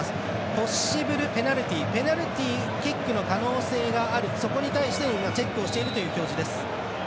ポッシブルペナルティーペナルティーキックの可能性があるそこに対してのチェックをしているという表示です。